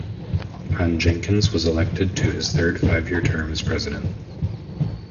On Jenkins was elected to his third five-year term as president.